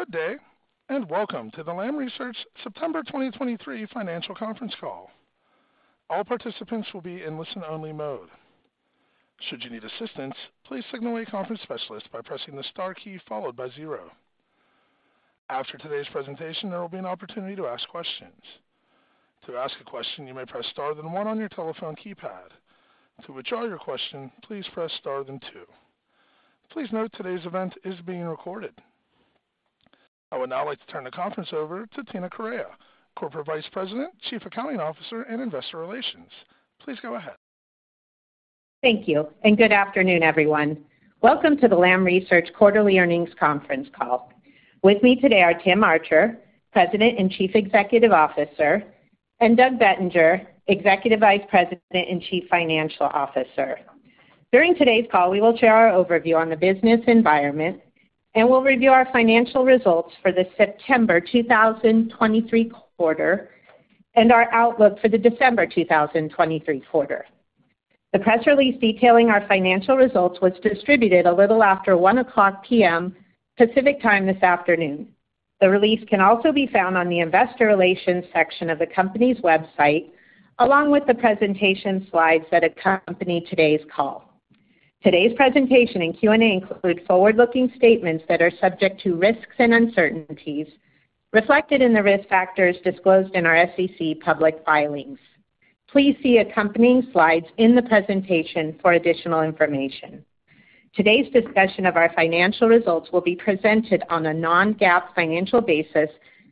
Good day, and welcome to the Lam Research September 2023 financial conference call. All participants will be in listen-only mode. Should you need assistance, please signal a conference specialist by pressing the star key followed by zero. After today's presentation, there will be an opportunity to ask questions. To ask a question, you may press star then one on your telephone keypad. To withdraw your question, please press star then two. Please note, today's event is being recorded. I would now like to turn the conference over to Tina Correia, Corporate Vice President, Chief Accounting Officer, and Investor Relations. Please go ahead. Thank you, and good afternoon, everyone. Welcome to the Lam Research Quarterly Earnings Conference Call. With me today are Tim Archer, President and Chief Executive Officer, and Doug Bettinger, Executive Vice President and Chief Financial Officer. During today's call, we will share our overview on the business environment, and we'll review our financial results for the September 2023 quarter and our outlook for the December 2023 quarter. The press release detailing our financial results was distributed a little after 1:00 P.M. Pacific Time this afternoon. The release can also be found on the Investor Relations section of the company's website, along with the presentation slides that accompany today's call. Today's presentation and Q&A include forward-looking statements that are subject to risks and uncertainties reflected in the risk factors disclosed in our SEC public filings. Please see accompanying slides in the presentation for additional information. Today's discussion of our financial results will be presented on a non-GAAP financial basis,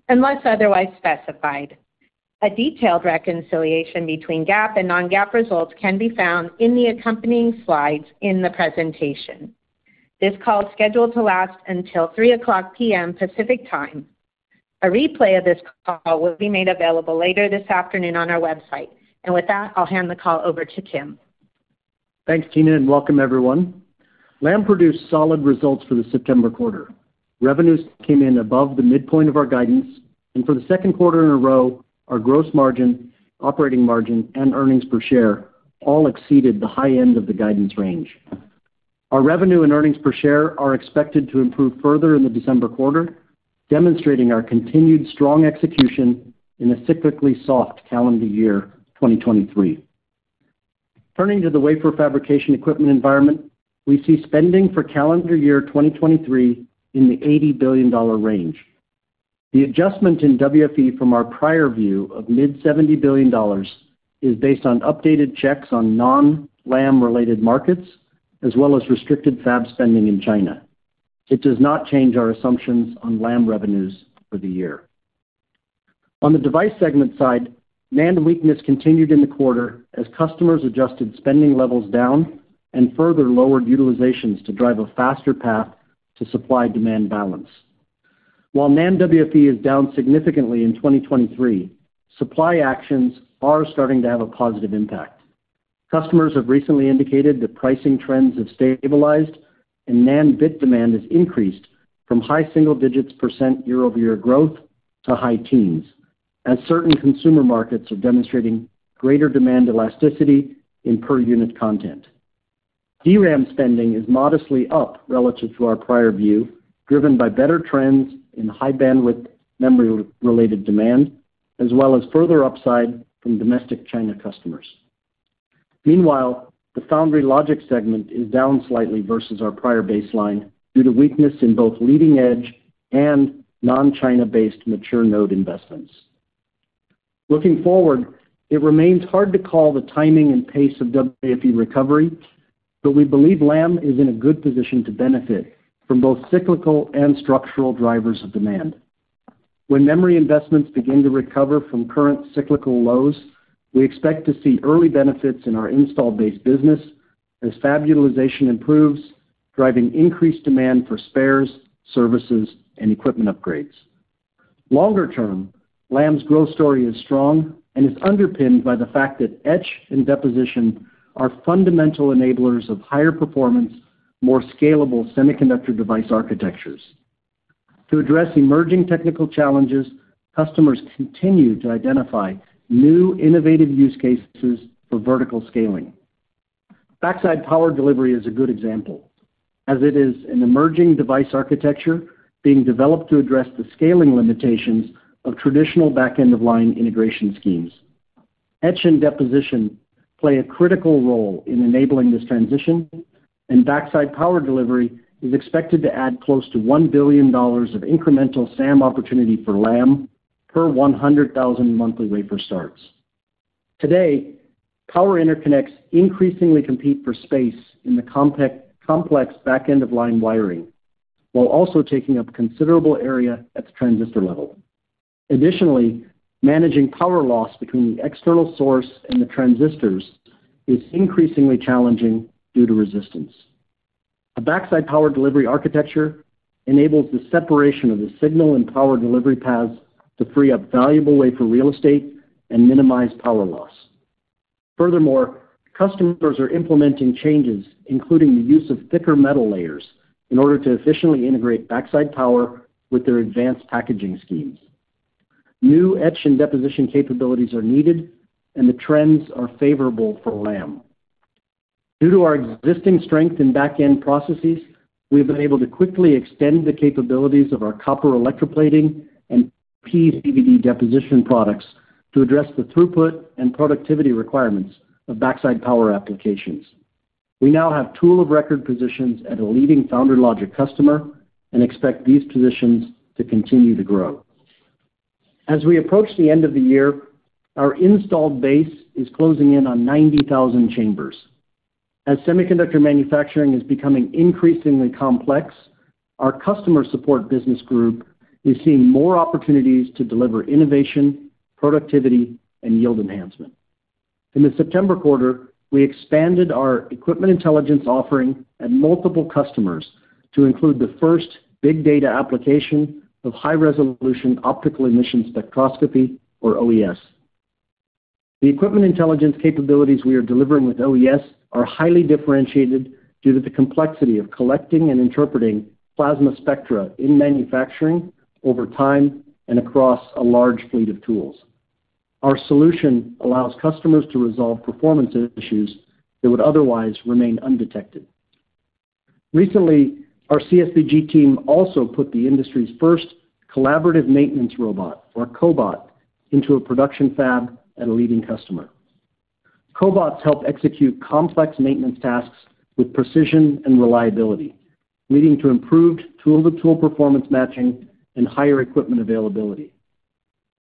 unless otherwise specified. A detailed reconciliation between GAAP and non-GAAP results can be found in the accompanying slides in the presentation. This call is scheduled to last until 3:00 P.M. Pacific Time. A replay of this call will be made available later this afternoon on our website. With that, I'll hand the call over to Tim. Thanks, Tina, and welcome everyone. Lam produced solid results for the September quarter. Revenues came in above the midpoint of our guidance, and for the second quarter in a row, our gross margin, operating margin, and earnings per share all exceeded the high end of the guidance range. Our revenue and earnings per share are expected to improve further in the December quarter, demonstrating our continued strong execution in a cyclically soft calendar year 2023. Turning to the wafer fabrication equipment environment, we see spending for calendar year 2023 in the $80 billion range. The adjustment in WFE from our prior view of mid-$70 billion is based on updated checks on non-Lam related markets, as well as restricted fab spending in China. It does not change our assumptions on Lam revenues for the year. On the Device segment side, NAND weakness continued in the quarter as customers adjusted spending levels down and further lowered utilizations to drive a faster path to supply-demand balance. While NAND WFE is down significantly in 2023, supply actions are starting to have a positive impact. Customers have recently indicated that pricing trends have stabilized and NAND bit demand has increased from high single digits % year-over-year growth to high teens %, as certain consumer markets are demonstrating greater demand elasticity in per unit content. DRAM spending is modestly up relative to our prior view, driven by better trends in high-bandwidth memory-related demand, as well as further upside from domestic China customers. Meanwhile, the Foundry Logic segment is down slightly versus our prior baseline due to weakness in both leading-edge and non-China-based mature node investments. Looking forward, it remains hard to call the timing and pace of WFE recovery, but we believe Lam is in a good position to benefit from both cyclical and structural drivers of demand. When memory investments begin to recover from current cyclical lows, we expect to see early benefits in our installed base business as fab utilization improves, driving increased demand for spares, services, and equipment upgrades. Longer term, Lam's growth story is strong and is underpinned by the fact that etch and deposition are fundamental enablers of higher performance, more scalable semiconductor device architectures. To address emerging technical challenges, customers continue to identify new innovative use cases for vertical scaling. Backside power delivery is a good example, as it is an emerging device architecture being developed to address the scaling limitations of traditional back-end-of-line integration schemes. Etch and deposition play a critical role in enabling this transition, and backside power delivery is expected to add close to $1 billion of incremental SAM opportunity for Lam per 100,000 monthly wafer starts. Today, power interconnects increasingly compete for space in the complex back-end-of-line wiring, while also taking up considerable area at the transistor level. Additionally, managing power loss between the external source and the transistors is increasingly challenging due to resistance. A backside power delivery architecture enables the separation of the signal and power delivery paths to free up valuable wafer real estate and minimize power loss. Furthermore, customers are implementing changes, including the use of thicker metal layers, in order to efficiently integrate backside power with their advanced packaging schemes. New etch and deposition capabilities are needed, and the trends are favorable for Lam. Due to our existing strength in back-end processes, we've been able to quickly extend the capabilities of our copper electroplating and PVD deposition products to address the throughput and productivity requirements of backside power applications. We now have tool of record positions at a leading foundry logic customer, and expect these positions to continue to grow. As we approach the end of the year, our installed base is closing in on 90,000 chambers. As semiconductor manufacturing is becoming increasingly complex, our Customer Support Business Group is seeing more opportunities to deliver innovation, productivity, and yield enhancement. In the September quarter, we expanded our Equipment Intelligence offering at multiple customers to include the first big data application of high-resolution optical emission spectroscopy, or OES. The Equipment Intelligence capabilities we are delivering with OES are highly differentiated due to the complexity of collecting and interpreting plasma spectra in manufacturing over time and across a large fleet of tools. Our solution allows customers to resolve performance issues that would otherwise remain undetected. Recently, our CSBG team also put the industry's first collaborative maintenance robot, or cobot, into a production fab at a leading customer. Cobots help execute complex maintenance tasks with precision and reliability, leading to improved tool-to-tool performance matching and higher equipment availability.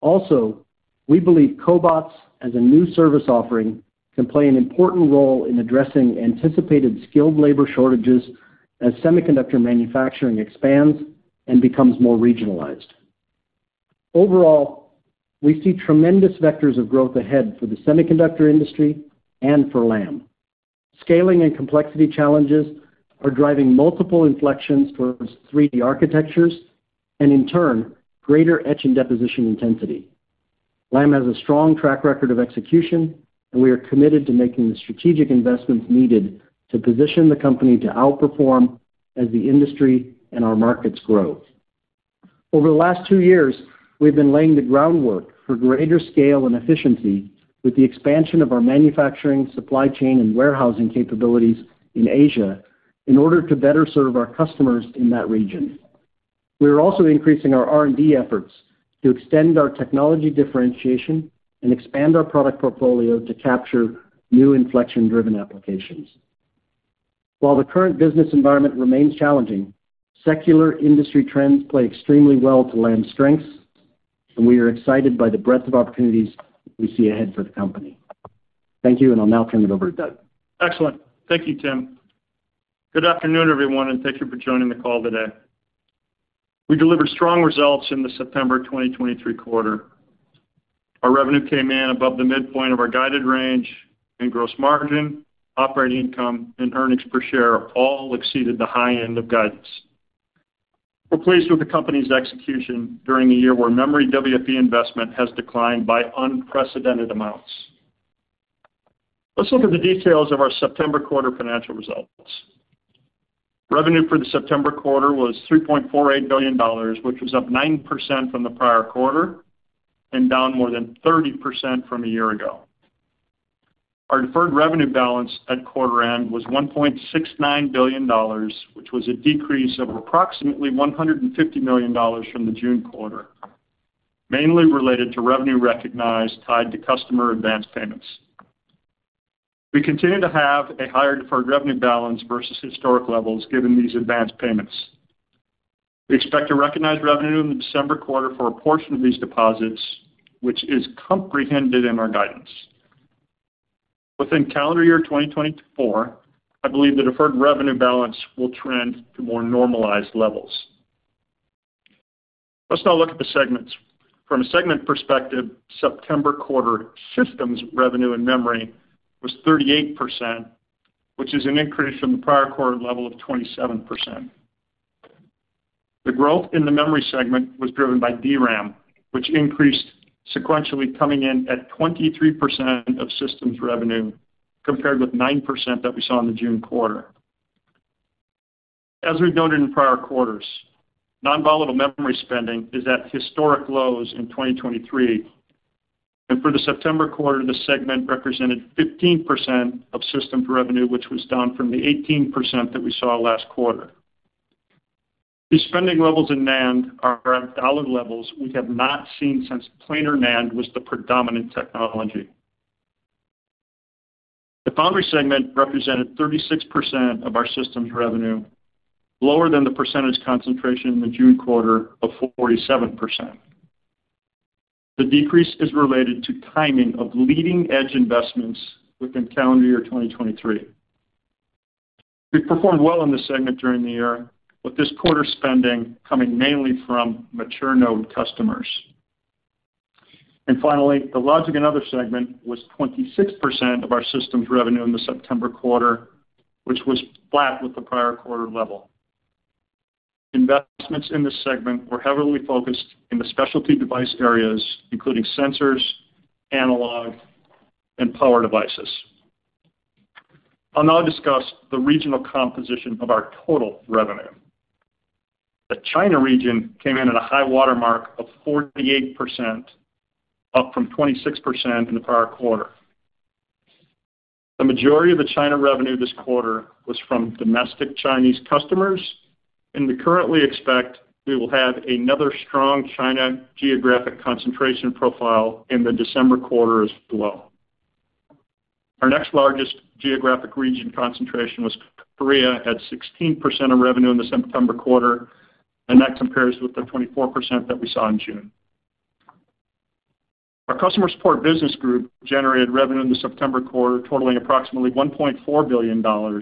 Also, we believe cobots, as a new service offering, can play an important role in addressing anticipated skilled labor shortages as semiconductor manufacturing expands and becomes more regionalized. Overall, we see tremendous vectors of growth ahead for the semiconductor industry and for Lam. Scaling and complexity challenges are driving multiple inflections towards 3D architectures, and in turn, greater etch and deposition intensity. Lam has a strong track record of execution, and we are committed to making the strategic investments needed to position the company to outperform as the industry and our markets grow. Over the last two years, we've been laying the groundwork for greater scale and efficiency with the expansion of our manufacturing, supply chain, and warehousing capabilities in Asia in order to better serve our customers in that region. We are also increasing our R&D efforts to extend our technology differentiation and expand our product portfolio to capture new inflection-driven applications. While the current business environment remains challenging, secular industry trends play extremely well to Lam's strengths, and we are excited by the breadth of opportunities we see ahead for the company. Thank you, and I'll now turn it over to Doug. Excellent. Thank you, Tim. Good afternoon, everyone, and thank you for joining the call today. We delivered strong results in the September 2023 quarter. Our revenue came in above the midpoint of our guided range, and gross margin, operating income, and earnings per share all exceeded the high end of guidance. We're pleased with the company's execution during a year where memory WFE investment has declined by unprecedented amounts. Let's look at the details of our September quarter financial results. Revenue for the September quarter was $3.48 billion, which was up 9% from the prior quarter and down more than 30% from a year ago. Our deferred revenue balance at quarter end was $1.69 billion, which was a decrease of approximately $150 million from the June quarter, mainly related to revenue recognized tied to customer advanced payments. We continue to have a higher deferred revenue balance versus historic levels, given these advanced payments. We expect to recognize revenue in the December quarter for a portion of these deposits, which is comprehended in our guidance. Within calendar year 2024, I believe the deferred revenue balance will trend to more normalized levels. Let's now look at the segments. From a segment perspective, September quarter systems revenue and memory was 38%, which is an increase from the prior quarter level of 27%. The growth in the Memory segment was driven by DRAM, which increased sequentially, coming in at 23% of systems revenue, compared with 9% that we saw in the June quarter. As we've noted in prior quarters, non-volatile memory spending is at historic lows in 2023, and for the September quarter, the segment represented 15% of systems revenue, which was down from the 18% that we saw last quarter. These spending levels in NAND are at dollar levels we have not seen since planar NAND was the predominant technology. The Foundry segment represented 36% of our systems revenue, lower than the percentage concentration in the June quarter of 47%. The decrease is related to timing of leading-edge investments within calendar year 2023. We performed well in this segment during the year, with this quarter's spending coming mainly from mature node customers. Finally, the Logic and Other segment was 26% of our systems revenue in the September quarter, which was flat with the prior quarter level. Investments in this segment were heavily focused in the specialty device areas, including sensors, analog, and power devices. I'll now discuss the regional composition of our total revenue. The China region came in at a high water mark of 48%, up from 26% in the prior quarter. The majority of the China revenue this quarter was from domestic Chinese customers, and we currently expect we will have another strong China geographic concentration profile in the December quarter as well. Our next largest geographic region concentration was Korea, at 16% of revenue in the September quarter, and that compares with the 24% that we saw in June. Our Customer Support Business Group generated revenue in the September quarter, totaling approximately $1.4 billion,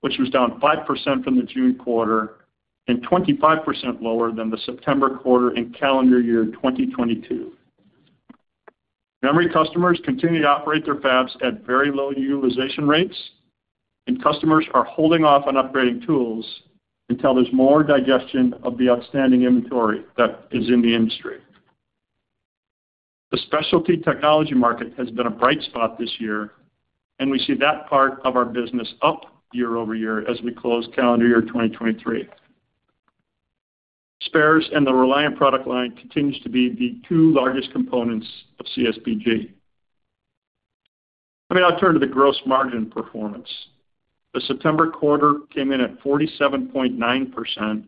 which was down 5% from the June quarter and 25% lower than the September quarter in calendar year 2022. Memory customers continue to operate their fabs at very low utilization rates, and customers are holding off on upgrading tools until there's more digestion of the outstanding inventory that is in the industry. The specialty technology market has been a bright spot this year, and we see that part of our business up year-over-year as we close calendar year 2023. Spares and the Reliant product line continues to be the two largest components of CSBG. Let me now turn to the gross margin performance. The September quarter came in at 47.9%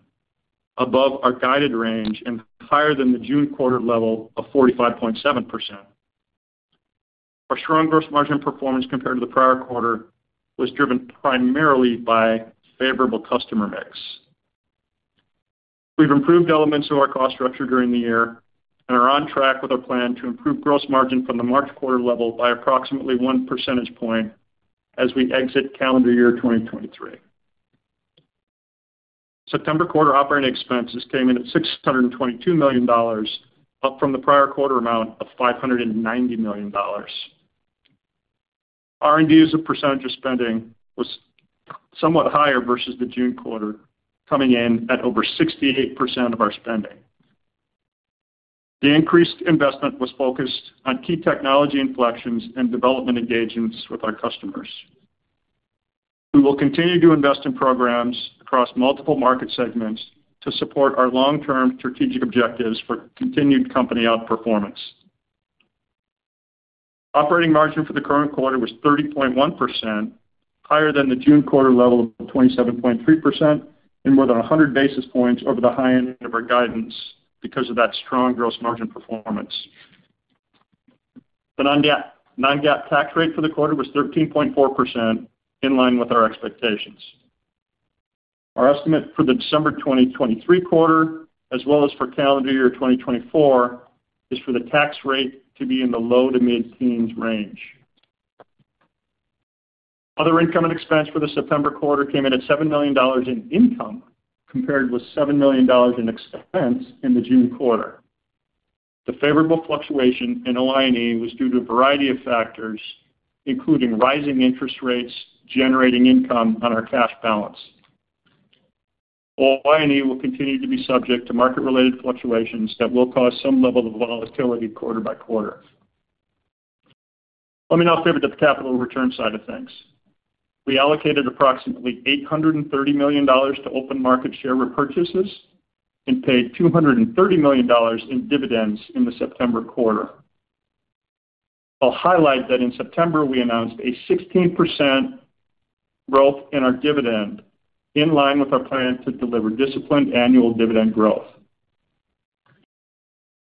above our guided range and higher than the June quarter level of 45.7%. Our strong gross margin performance compared to the prior quarter, was driven primarily by favorable customer mix. We've improved elements of our cost structure during the year and are on track with our plan to improve gross margin from the March quarter level by approximately 1 percentage point as we exit calendar year 2023. September quarter operating expenses came in at $622 million, up from the prior quarter amount of $590 million. R&D as a percentage of spending was somewhat higher versus the June quarter, coming in at over 68% of our spending. The increased investment was focused on key technology inflections and development engagements with our customers. We will continue to invest in programs across multiple market segments to support our long-term strategic objectives for continued company outperformance. Operating margin for the current quarter was 30.1%, higher than the June quarter level of 27.3%, and more than 100 basis points over the high end of our guidance because of that strong gross margin performance. The non-GAAP, non-GAAP tax rate for the quarter was 13.4%, in line with our expectations. Our estimate for the December 2023 quarter, as well as for calendar year 2024, is for the tax rate to be in the low to mid-teens range. Other income and expense for the September quarter came in at $7 million in income, compared with $7 million in expense in the June quarter. The favorable fluctuation in OI&E was due to a variety of factors, including rising interest rates, generating income on our cash balance. OI&E will continue to be subject to market-related fluctuations that will cause some level of volatility quarter by quarter. Let me now pivot to the capital return side of things. We allocated approximately $830 million to open market share repurchases and paid $230 million in dividends in the September quarter. I'll highlight that in September, we announced a 16% growth in our dividend, in line with our plan to deliver disciplined annual dividend growth.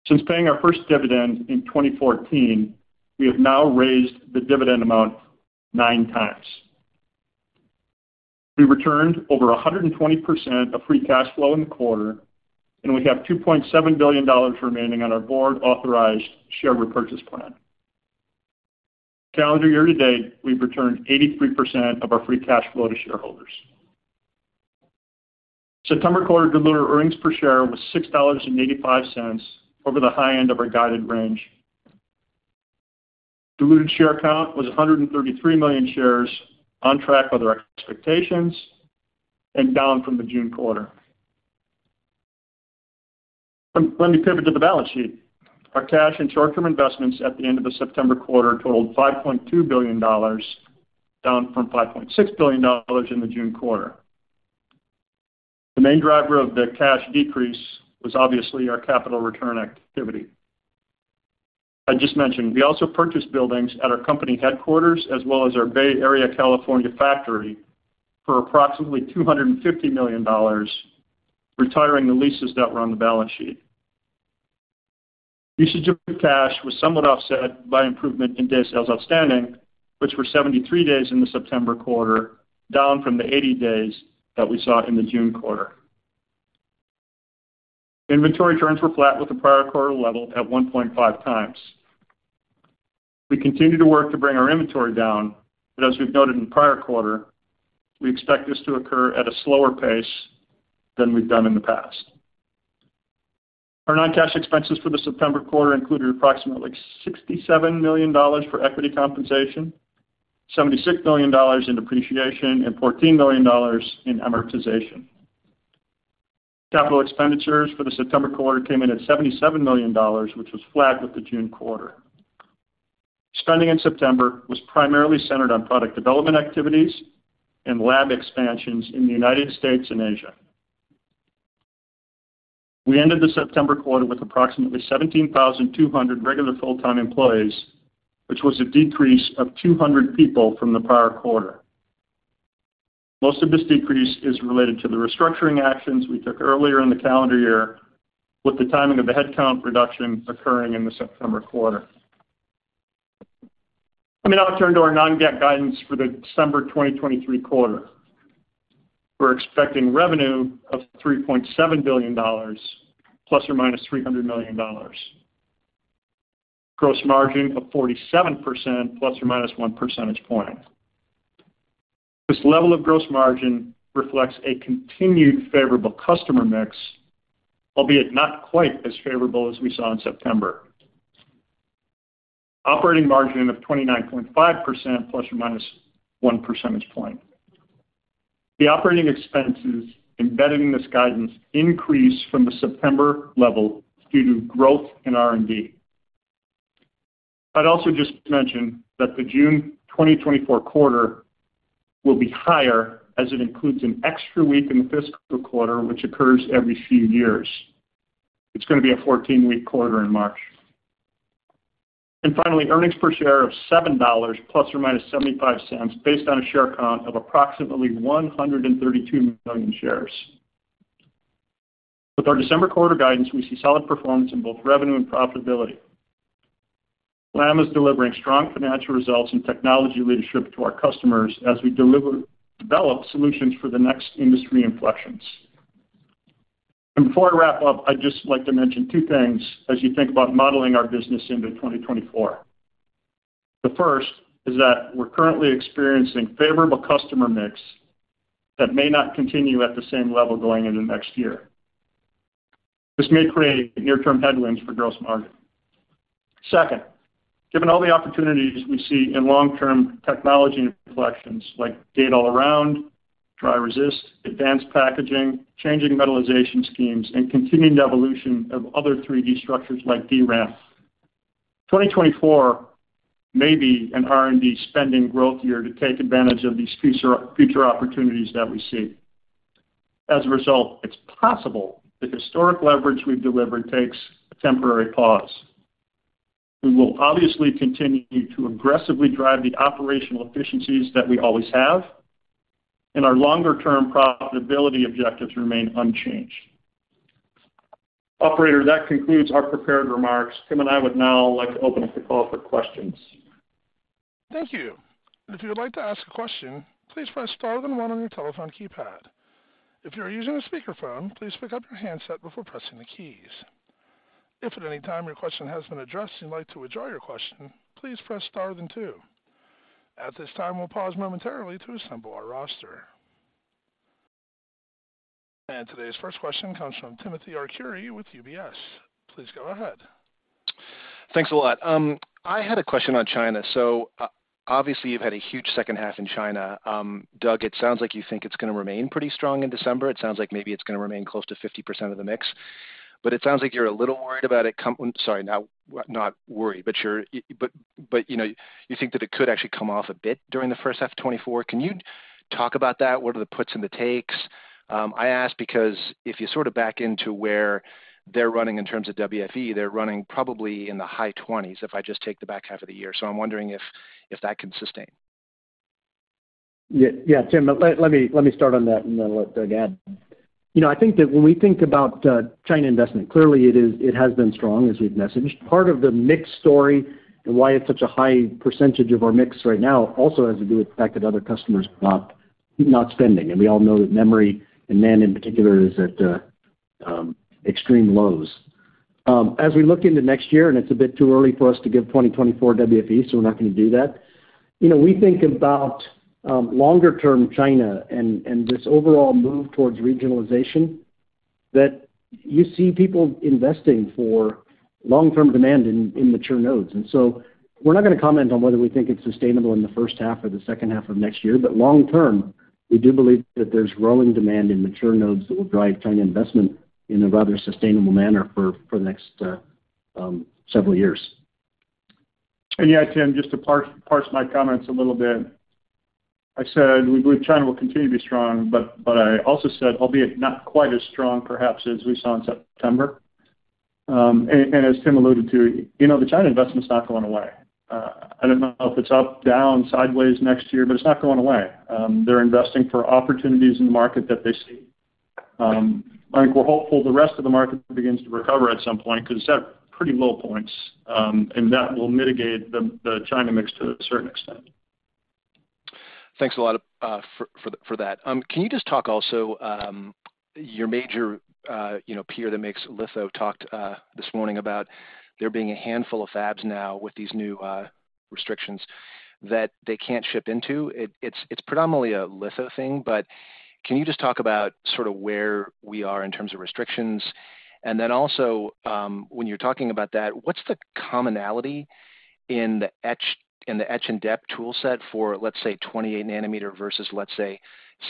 Since paying our first dividend in 2014, we have now raised the dividend amount 9 times. We returned over 120% of free cash flow in the quarter, and we have $2.7 billion remaining on our board-authorized share repurchase plan. Calendar year to date, we've returned 83% of our free cash flow to shareholders. September quarter diluted earnings per share was $6.85 over the high end of our guided range. Diluted share count was 133 million shares, on track with our expectations and down from the June quarter. Let me pivot to the balance sheet. Our cash and short-term investments at the end of the September quarter totaled $5.2 billion, down from $5.6 billion in the June quarter. The main driver of the cash decrease was obviously our capital return activity. I just mentioned, we also purchased buildings at our company headquarters, as well as our Bay Area, California, factory for approximately $250 million, retiring the leases that were on the balance sheet. Usage of cash was somewhat offset by improvement in days sales outstanding, which were 73 days in the September quarter, down from the 80 days that we saw in the June quarter. Inventory turns were flat with the prior quarter level at 1.5 times. We continue to work to bring our inventory down, and as we've noted in the prior quarter, we expect this to occur at a slower pace than we've done in the past. Our non-cash expenses for the September quarter included approximately $67 million for equity compensation, $76 million in depreciation, and $14 million in amortization. Capital expenditures for the September quarter came in at $77 million, which was flat with the June quarter.... Spending in September was primarily centered on product development activities and lab expansions in the United States and Asia. We ended the September quarter with approximately 17,200 regular full-time employees, which was a decrease of 200 people from the prior quarter. Most of this decrease is related to the restructuring actions we took earlier in the calendar year, with the timing of the headcount reduction occurring in the September quarter. Let me now turn to our non-GAAP guidance for the December 2023 quarter. We're expecting revenue of $3.7 billion ±$300 million. Gross margin of 47%, ±1 percentage point. This level of gross margin reflects a continued favorable customer mix, albeit not quite as favorable as we saw in September. Operating margin of 29.5%, ±1 percentage point. The operating expenses embedded in this guidance increase from the September level due to growth in R&D. I'd also just mention that the June 2024 quarter will be higher, as it includes an extra week in the fiscal quarter, which occurs every few years. It's going to be a 14-week quarter in March. Finally, earnings per share of $7 ±$0.75, based on a share count of approximately 132 million shares. With our December quarter guidance, we see solid performance in both revenue and profitability. Lam is delivering strong financial results and technology leadership to our customers as we develop solutions for the next industry inflections. Before I wrap up, I'd just like to mention two things as you think about modeling our business into 2024. The first is that we're currently experiencing favorable customer mix that may not continue at the same level going into next year. This may create near-term headwinds for gross margin. Second, given all the opportunities we see in long-term technology inflections like gate-all-around, dry resist, advanced packaging, changing metallization schemes, and continuing the evolution of other 3D structures like DRAM, 2024 may be an R&D spending growth year to take advantage of these future opportunities that we see. As a result, it's possible the historic leverage we've delivered takes a temporary pause. We will obviously continue to aggressively drive the operational efficiencies that we always have, and our longer-term profitability objectives remain unchanged. Operator, that concludes our prepared remarks. Tim and I would now like to open up the call for questions. Thank you. If you would like to ask a question, please press star then one on your telephone keypad. If you are using a speakerphone, please pick up your handset before pressing the keys. If at any time your question has been addressed and you'd like to withdraw your question, please press star then two. At this time, we'll pause momentarily to assemble our roster. Today's first question comes from Timothy Arcuri with UBS. Please go ahead. Thanks a lot. I had a question on China. So, obviously, you've had a huge second half in China. Doug, it sounds like you think it's going to remain pretty strong in December. It sounds like maybe it's going to remain close to 50% of the mix, but it sounds like you're a little worried about it. Sorry, not worried, but you know, you think that it could actually come off a bit during the first half of 2024. Can you talk about that? What are the puts and the takes? I ask because if you sort of back into where they're running in terms of WFE, they're running probably in the high 20s, if I just take the back half of the year. So I'm wondering if that can sustain. Yeah, yeah, Tim, let me start on that, and then I'll let Doug add. You know, I think that when we think about China investment, clearly it is it has been strong, as we've messaged. Part of the mix story and why it's such a high percentage of our mix right now, also has to do with the fact that other customers are not spending. And we all know that memory, and NAND in particular, is at extreme lows. As we look into next year, and it's a bit too early for us to give 2024 WFE, so we're not going to do that. You know, we think about longer-term China and this overall move towards regionalization, that you see people investing for long-term demand in mature nodes. We're not going to comment on whether we think it's sustainable in the first half or the second half of next year, but long term, we do believe that there's growing demand in mature nodes that will drive China investment in a rather sustainable manner for the next several years. Yeah, Tim, just to parse my comments a little bit. I said we believe China will continue to be strong, but I also said, albeit not quite as strong, perhaps, as we saw in September. And as Tim alluded to, you know, the China investment is not going away. I don't know if it's up, down, sideways next year, but it's not going away. They're investing for opportunities in the market that they see. I think we're hopeful the rest of the market begins to recover at some point because it's at pretty low points, and that will mitigate the China mix to a certain extent. Thanks a lot for that. Can you just talk also about your major peer that makes litho? They talked this morning about there being a handful of fabs now with these new restrictions that they can't ship into. It's predominantly a litho thing, but can you just talk about sort of where we are in terms of restrictions? And then also, when you're talking about that, what's the commonality in the etch and dep toolset for, let's say, 28 nanometer versus, let's say,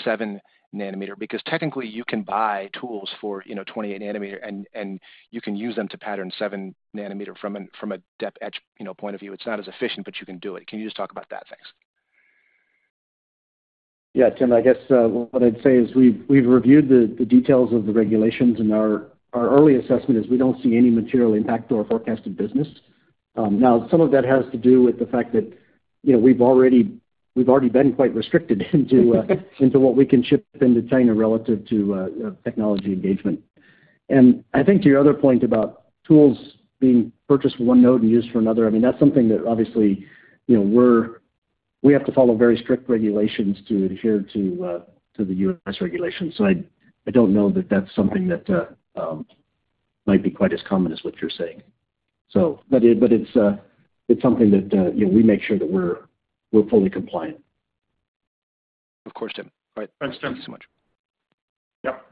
7 nanometer? Because technically, you can buy tools for 28 nanometer and you can use them to pattern 7 nanometer from a dep etch point of view. It's not as efficient, but you can do it. Can you just talk about that? Thanks. Yeah, Tim, I guess what I'd say is we've reviewed the details of the regulations, and our early assessment is we don't see any material impact to our forecasted business. Now, some of that has to do with the fact that, you know, we've already been quite restricted into what we can ship into China relative to technology engagement. And I think to your other point about tools being purchased for one node and used for another, I mean, that's something that obviously, you know, we have to follow very strict regulations to adhere to, to the U.S. regulations. So I don't know that that's something that might be quite as common as what you're saying. But it's something that, you know, we make sure that we're fully compliant. Of course, Tim. All right. Thanks, Tim. Thanks so much. Yep.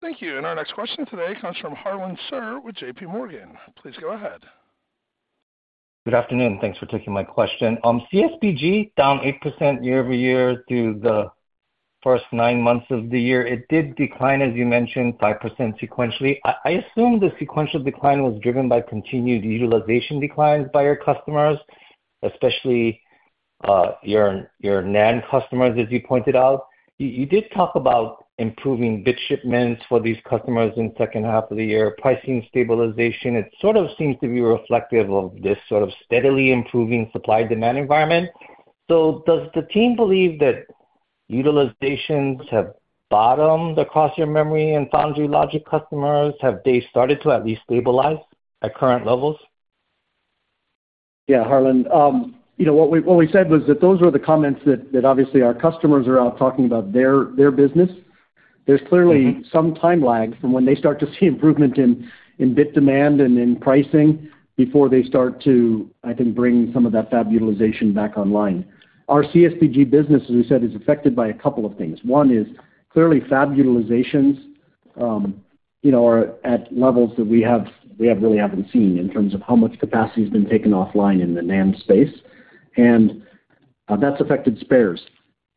Thank you. Our next question today comes from Harlan Sur with JPMorgan. Please go ahead. Good afternoon. Thanks for taking my question. CSBG, down 8% year-over-year through the first nine months of the year. It did decline, as you mentioned, 5% sequentially. I assume the sequential decline was driven by continued utilization declines by your customers, especially your NAND customers, as you pointed out. You did talk about improving bit shipments for these customers in the second half of the year, pricing stabilization. It sort of seems to be reflective of this sort of steadily improving supply-demand environment. So does the team believe that utilizations have bottomed across your memory and foundry logic customers? Have they started to at least stabilize at current levels? Yeah, Harlan, you know, what we said was that those were the comments that obviously our customers are out talking about their business. Mm-hmm. There's clearly some time lag from when they start to see improvement in bit demand and in pricing before they start to, I think, bring some of that fab utilization back online. Our CSBG business, as we said, is affected by a couple of things. One is, clearly, fab utilizations, you know, are at levels that we really haven't seen in terms of how much capacity has been taken offline in the NAND space, and that's affected spares.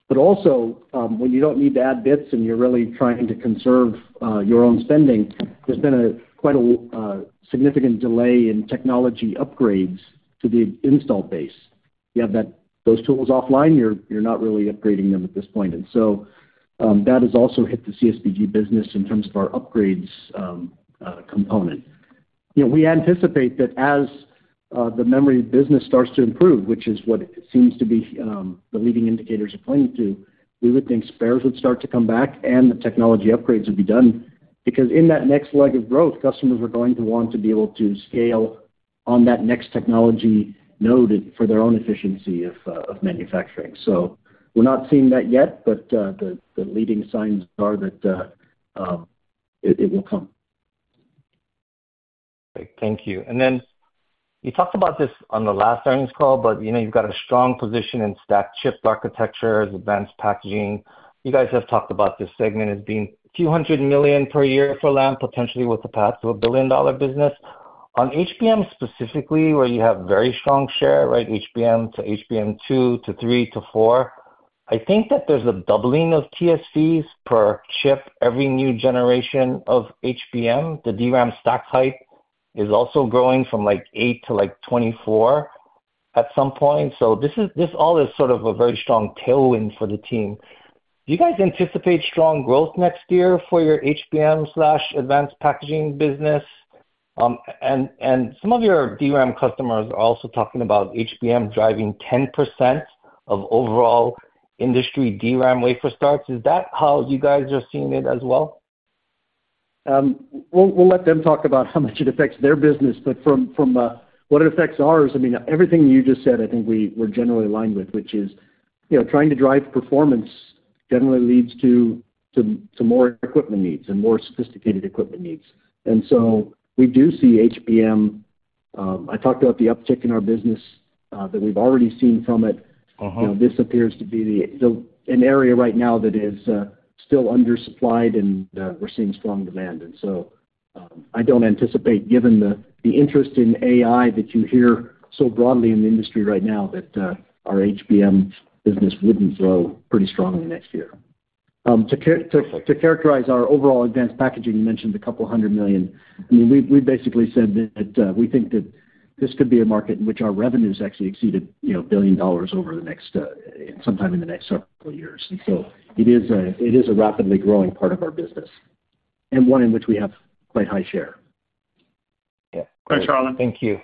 But also, when you don't need to add bits and you're really trying to conserve your own spending, there's been quite a significant delay in technology upgrades to the installed base. You have those tools offline, you're not really upgrading them at this point. And so, that has also hit the CSBG business in terms of our upgrades, component. You know, we anticipate that as the memory business starts to improve, which is what seems to be, the leading indicators are pointing to, we would think spares would start to come back and the technology upgrades would be done. Because in that next leg of growth, customers are going to want to be able to scale on that next technology node for their own efficiency of manufacturing. So we're not seeing that yet, but the leading signs are that it will come. Great. Thank you. And then you talked about this on the last earnings call, but you know, you've got a strong position in stacked chip architecture, advanced packaging. You guys have talked about this segment as being a few hundred million-dollar per year for Lam, potentially with the path to a billion-dollar business. On HBM specifically, where you have very strong share, right, HBM to HBM2 to 3 to 4, I think that there's a doubling of TSVs per chip, every new generation of HBM. The DRAM stack height is also growing from, like, 8 to, like, 24 at some point. So this all is sort of a very strong tailwind for the team. Do you guys anticipate strong growth next year for your HBM/advanced packaging business? Some of your DRAM customers are also talking about HBM driving 10% of overall industry DRAM wafer starts. Is that how you guys are seeing it as well? We'll let them talk about how much it affects their business, but from what it affects ours, I mean, everything you just said, I think we're generally aligned with, which is, you know, trying to drive performance generally leads to more equipment needs and more sophisticated equipment needs. And so we do see HBM, I talked about the uptick in our business that we've already seen from it. Uh-huh. You know, this appears to be an area right now that is still undersupplied, and we're seeing strong demand. And so, I don't anticipate, given the interest in AI that you hear so broadly in the industry right now, that our HBM business wouldn't grow pretty strongly next year. To characterize our overall advanced packaging, you mentioned a couple of hundred million. I mean, we basically said that we think that this could be a market in which our revenues actually exceeded, you know, $1 billion over the next sometime in the next several years. So it is a rapidly growing part of our business and one in which we have quite high share. Yeah. Thanks, Harlan. Thank you.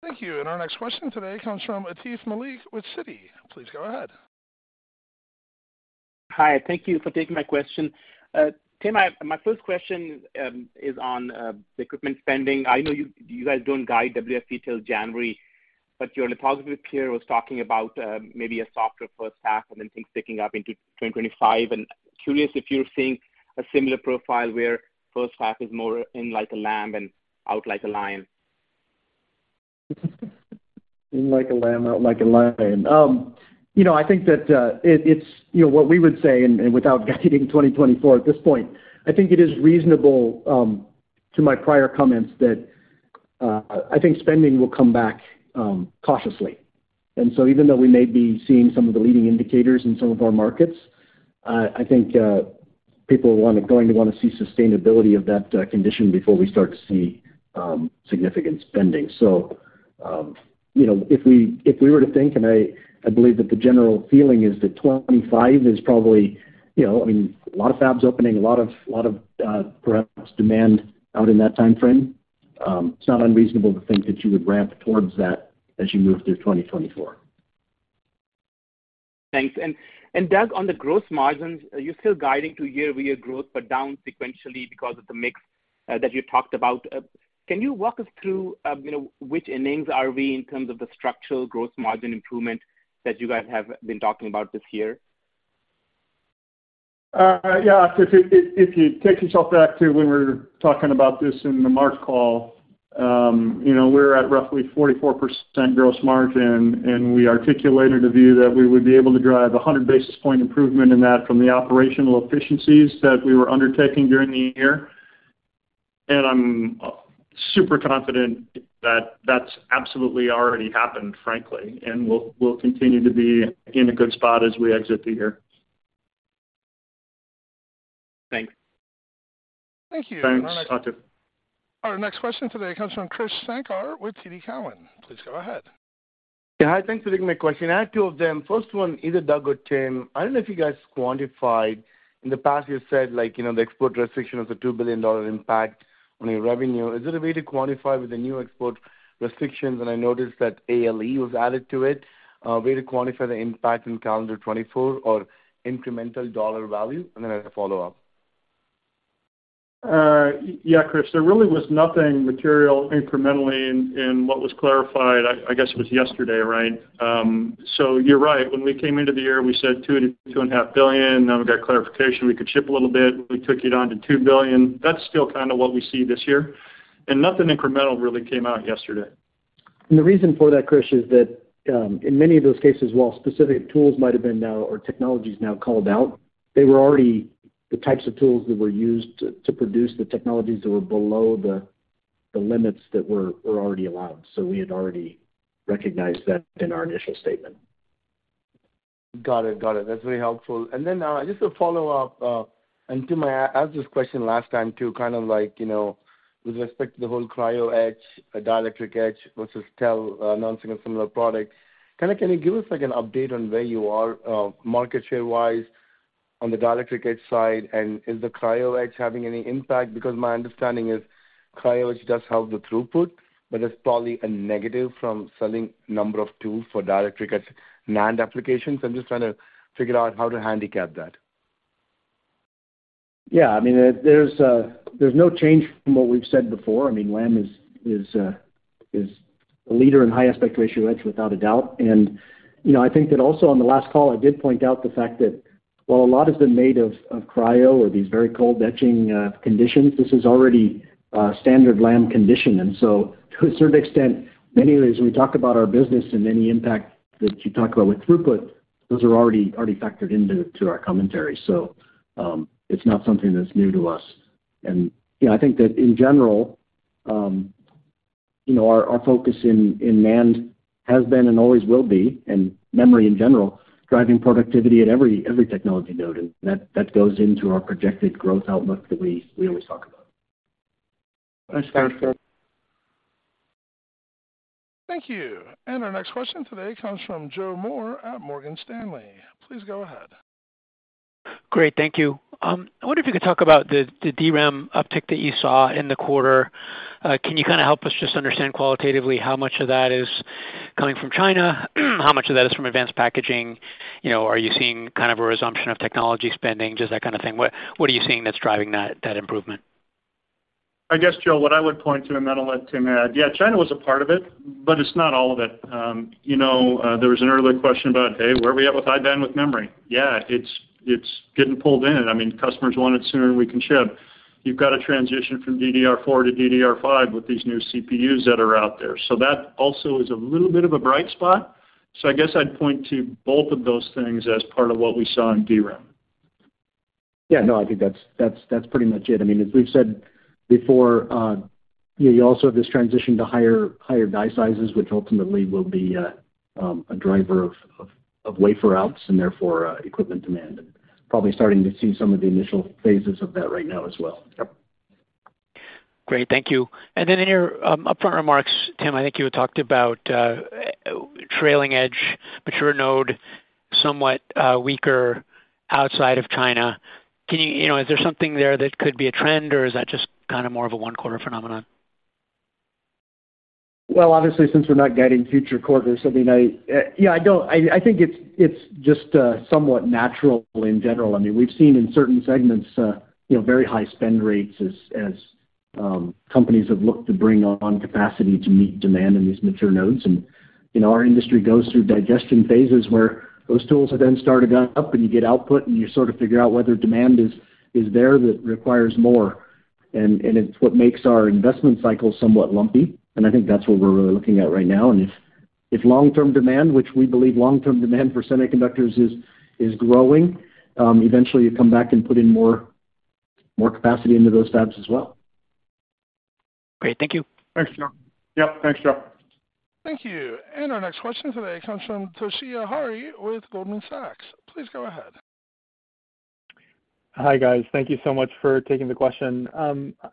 Thank you. Our next question today comes from Atif Malik with Citi. Please go ahead. Hi, thank you for taking my question. Tim, my first question is on the equipment spending. I know you guys don't guide WFE till January, but your lithography peer was talking about maybe a softer first half and then things picking up into 2025. And curious if you're seeing a similar profile, where first half is more in like a lamb and out like a lion? In like a lamb, out like a lion. You know, I think that it's, you know, what we would say and without guiding 2024 at this point, I think it is reasonable to my prior comments that I think spending will come back cautiously. And so even though we may be seeing some of the leading indicators in some of our markets, I think people want to, going to want to see sustainability of that condition before we start to see significant spending. So, you know, if we were to think, and I believe that the general feeling is that 2025 is probably, you know, I mean, a lot of fabs opening, a lot of perhaps demand out in that time frame. It's not unreasonable to think that you would ramp towards that as you move through 2024. Thanks. And Doug, on the growth margins, are you still guiding to year-over-year growth, but down sequentially because of the mix that you talked about? Can you walk us through, you know, which innings are we in terms of the structural growth margin improvement that you guys have been talking about this year? Yeah, if you take yourself back to when we were talking about this in the March call, you know, we're at roughly 44% gross margin, and we articulated a view that we would be able to drive a 100 basis point improvement in that from the operational efficiencies that we were undertaking during the year. And I'm super confident that that's absolutely already happened, frankly, and we'll continue to be in a good spot as we exit the year. Thanks. Thank you. Thanks, Atif. Our next question today comes from Krish Sankar with TD Cowen. Please go ahead. Yeah. Hi, thanks for taking my question. I have two of them. First one, either Doug or Tim, I don't know if you guys quantified... In the past, you said, like, you know, the export restriction was a $2 billion impact on your revenue. Is there a way to quantify with the new export restrictions, and I noticed that ALE was added to it, way to quantify the impact in calendar 2024 or incremental dollar value? And then I have a follow-up. Yeah, Krish, there really was nothing material incrementally in what was clarified. I guess it was yesterday, right? So you're right. When we came into the year, we said $2 billion-$2.5 billion, then we got clarification we could ship a little bit. We took it down to $2 billion. That's still kind of what we see this year, and nothing incremental really came out yesterday. The reason for that, Krish, is that, in many of those cases, while specific tools might have been now, or technologies now called out, they were already the types of tools that were used to produce the technologies that were below the limits that were already allowed. So we had already recognized that in our initial statement. Got it. Got it. That's very helpful. And then, just to follow up, and Tim, I, I asked this question last time too, kind of like, you know, with respect to the whole cryo etch, a dielectric etch versus selective, non-selective products. Kind of, can you give us, like, an update on where you are, market share-wise on the dielectric etch side? And is the cryo etch having any impact? Because my understanding is cryo etch does help the throughput, but it's probably a negative from selling number of tools for dielectric etch NAND applications. I'm just trying to figure out how to handicap that. Yeah, I mean, there's no change from what we've said before. I mean, Lam is a leader in high aspect ratio etch, without a doubt. And, you know, I think that also on the last call, I did point out the fact that while a lot has been made of cryo or these very cold etching conditions, this is already a standard Lam condition. And so, to a certain extent, many ways, we talk about our business and any impact that you talk about with throughput, those are already factored into our commentary. So, it's not something that's new to us. You know, I think that in general, you know, our focus in NAND has been and always will be, and memory in general, driving productivity at every technology node, and that goes into our projected growth outlook that we always talk about. Thanks. Thank you. Our next question today comes from Joe Moore at Morgan Stanley. Please go ahead. Great. Thank you. I wonder if you could talk about the DRAM uptick that you saw in the quarter. Can you kind of help us just understand qualitatively how much of that is coming from China? How much of that is from advanced packaging? You know, are you seeing kind of a resumption of technology spending, just that kind of thing? What are you seeing that's driving that improvement? I guess, Joe, what I would point to, and then I'll let Tim add, yeah, China was a part of it, but it's not all of it. You know, there was an earlier question about, Hey, where are we at with high bandwidth memory? Yeah, it's, it's getting pulled in. I mean, customers want it sooner than we can ship. You've got to transition from DDR4 to DDR5 with these new CPUs that are out there. So that also is a little bit of a bright spot. So I guess I'd point to both of those things as part of what we saw in DRAM. Yeah, no, I think that's pretty much it. I mean, as we've said before, you know, you also have this transition to higher die sizes, which ultimately will be a driver of wafer outs and therefore equipment demand. And probably starting to see some of the initial phases of that right now as well. Yep. Great. Thank you. And then in your upfront remarks, Tim, I think you had talked about trailing edge, mature node, somewhat weaker outside of China. Can you, you know, is there something there that could be a trend, or is that just kind of more of a one-quarter phenomenon? Well, obviously, since we're not guiding future quarters, I mean, yeah, I don't—I think it's just somewhat natural in general. I mean, we've seen in certain segments, you know, very high spend rates as companies have looked to bring on capacity to meet demand in these mature nodes. And, you know, our industry goes through digestion phases where those tools have then started up, and you get output, and you sort of figure out whether demand is there that requires more. And it's what makes our investment cycle somewhat lumpy, and I think that's what we're really looking at right now. And if long-term demand, which we believe long-term demand for semiconductors is growing, eventually you come back and put in more capacity into those fabs as well.... Great. Thank you. Thanks, Joe. Yep, thanks, Joe. Thank you. And our next question today comes from Toshiya Hari with Goldman Sachs. Please go ahead. Hi, guys. Thank you so much for taking the question.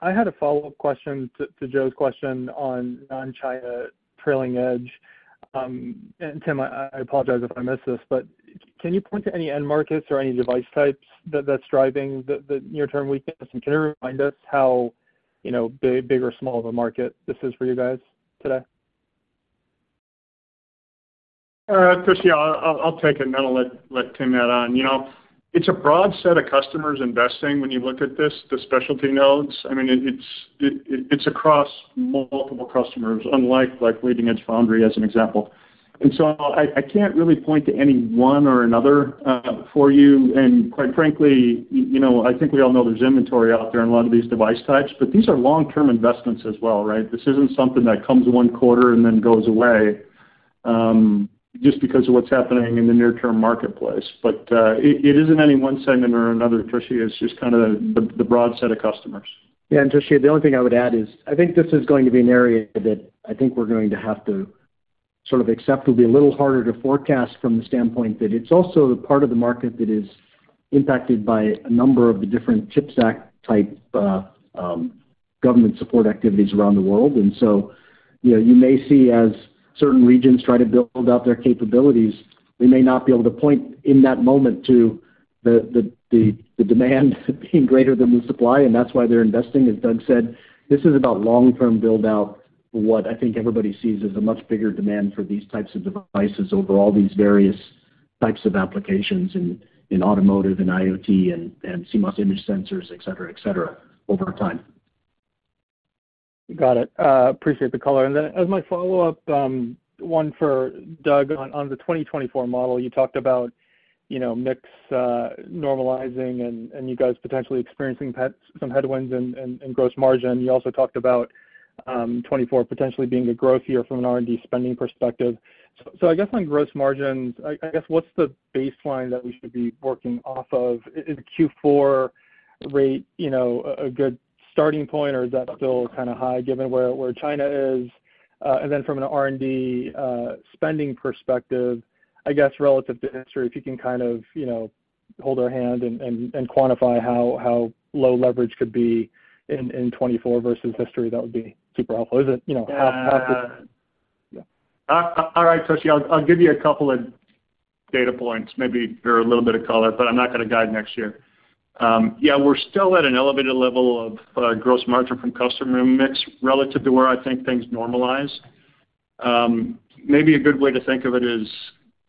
I had a follow-up question to Joe's question on non-China trailing edge. And Tim, I apologize if I missed this, but can you point to any end markets or any device types that's driving the near-term weakness? And can you remind us how, you know, big or small of a market this is for you guys today? Toshiya, I'll take it, and then I'll let Tim add on. You know, it's a broad set of customers investing when you look at this, the specialty nodes. I mean, it's across multiple customers, unlike leading-edge foundry, as an example. And so I can't really point to any one or another for you. And quite frankly, you know, I think we all know there's inventory out there in a lot of these device types, but these are long-term investments as well, right? This isn't something that comes one quarter and then goes away, just because of what's happening in the near-term marketplace. But it isn't any one segment or another, Toshiya. It's just kind of the broad set of customers. Yeah, and Toshiya, the only thing I would add is, I think this is going to be an area that I think we're going to have to sort of accept will be a little harder to forecast from the standpoint that it's also the part of the market that is impacted by a number of the different CHIPS Act type, government support activities around the world. And so, you know, you may see, as certain regions try to build out their capabilities, we may not be able to point in that moment to the demand being greater than the supply, and that's why they're investing. As Doug said, this is about long-term build-out for what I think everybody sees as a much bigger demand for these types of devices over all these various types of applications in automotive and IoT and CMOS image sensors, et cetera, et cetera, over time. Got it. Appreciate the color. And then as my follow-up, one for Doug, on the 2024 model, you talked about, you know, mix normalizing and you guys potentially experiencing some headwinds in gross margin. You also talked about 2024 potentially being a growth year from an R&D spending perspective. So I guess on gross margins, what's the baseline that we should be working off of? Is the Q4 rate, you know, a good starting point, or is that still kind of high, given where China is? And then from an R&D spending perspective, I guess, relative to history, if you can kind of, you know, hold our hand and quantify how low leverage could be in 2024 versus history, that would be super helpful. Is it, you know, half the- Uh- Yeah. All right, Toshiya, I'll give you a couple of data points, maybe for a little bit of color, but I'm not going to guide next year. Yeah, we're still at an elevated level of gross margin from customer mix relative to where I think things normalize. Maybe a good way to think of it is,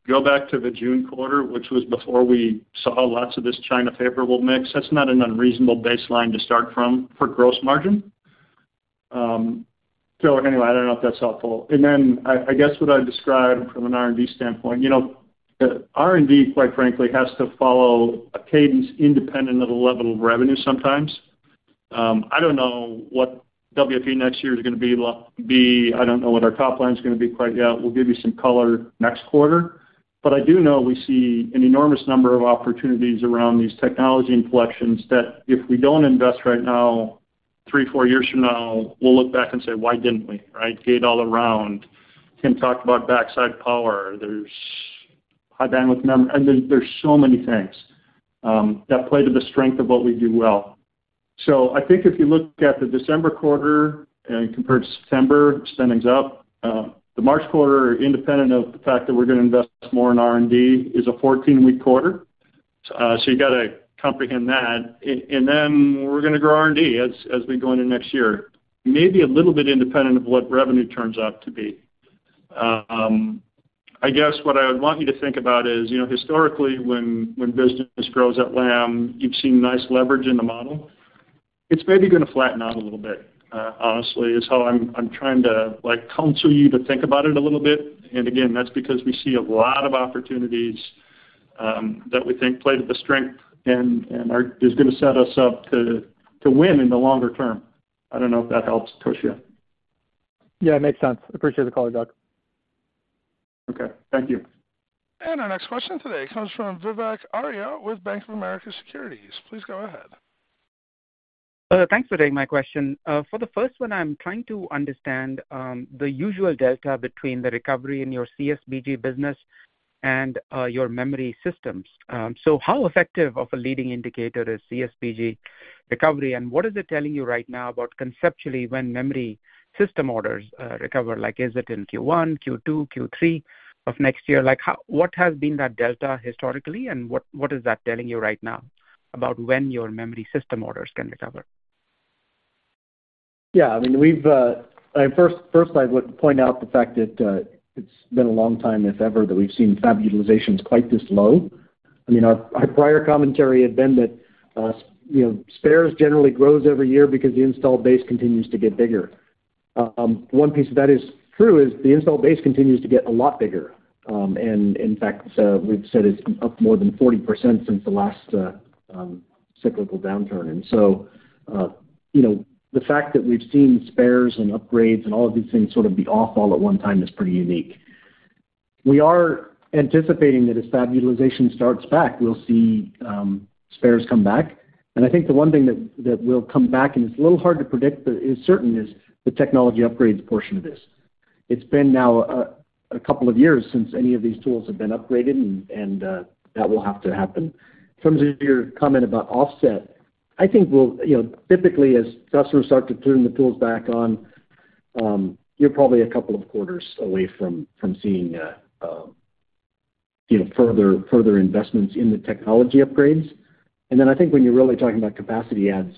go back to the June quarter, which was before we saw lots of this China favorable mix. That's not an unreasonable baseline to start from for gross margin. So anyway, I don't know if that's helpful. And then I guess what I'd describe from an R&D standpoint, you know, the R&D, quite frankly, has to follow a cadence independent of the level of revenue sometimes. I don't know what WFE next year is going to be lo- be. I don't know what our top line's going to be quite yet. We'll give you some color next quarter. But I do know we see an enormous number of opportunities around these technology inflections that, if we don't invest right now, 3, 4 years from now, we'll look back and say, "Why didn't we?" Right? Gate-all-around. Tim talked about backside power. There's high bandwidth mem- I mean, there's so many things that play to the strength of what we do well. So I think if you look at the December quarter and compare to September, spending's up. The March quarter, independent of the fact that we're going to invest more in R&D, is a 14-week quarter, so you've got to comprehend that. And then we're going to grow R&D as we go into next year, maybe a little bit independent of what revenue turns out to be. I guess what I would want you to think about is, you know, historically, when business grows at Lam, you've seen nice leverage in the model. It's maybe going to flatten out a little bit, honestly, is how I'm trying to, like, counsel you to think about it a little bit. And again, that's because we see a lot of opportunities that we think play to the strength and is going to set us up to win in the longer term. I don't know if that helps, Toshiya. Yeah, it makes sense. Appreciate the call, Doug. Okay, thank you. Our next question today comes from Vivek Arya with Bank of America Securities. Please go ahead. Thanks for taking my question. For the first one, I'm trying to understand the usual delta between the recovery in your CSBG business and your memory systems. So how effective of a leading indicator is CSBG recovery, and what is it telling you right now about conceptually when memory system orders recover? Like, is it in Q1, Q2, Q3 of next year? Like, what has been that delta historically, and what is that telling you right now about when your memory system orders can recover? Yeah, I mean, we've I first I would point out the fact that, it's been a long time, if ever, that we've seen fab utilizations quite this low. I mean, our prior commentary had been that, you know, spares generally grows every year because the installed base continues to get bigger. One piece of that is true, the installed base continues to get a lot bigger. And in fact, we've said it's up more than 40% since the last cyclical downturn. And so, you know, the fact that we've seen spares and upgrades and all of these things sort of be off all at one time is pretty unique.... We are anticipating that as fab utilization starts back, we'll see spares come back. And I think the one thing that will come back, and it's a little hard to predict, but is certain, is the technology upgrades portion of this. It's been now a couple of years since any of these tools have been upgraded, and that will have to happen. In terms of your comment about offset, I think we'll, you know, typically, as customers start to turn the tools back on, you're probably a couple of quarters away from seeing, you know, further investments in the technology upgrades. And then I think when you're really talking about capacity adds,